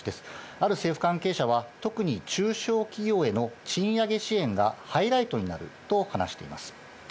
ある政府関係者は、特に中小企業への賃上げ支援がハイライトになると話しています。